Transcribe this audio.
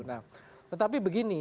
nah tetapi begini